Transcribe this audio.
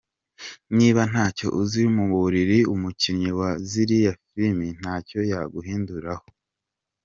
Niba ntacyo uzi mu buriri , umukinnyi wa ziriya filimi ntacyo yaguhinduraho.